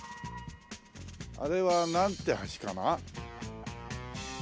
あれはなんて橋かな？